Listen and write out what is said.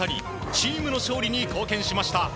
チームの勝利に貢献しました。